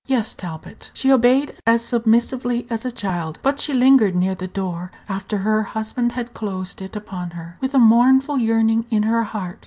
"Yes, Talbot." She obeyed as submissively as a child; but she lingered near the door, after her husband had closed it upon her, with a mournful yearning in her heart.